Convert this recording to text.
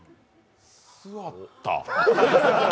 座った。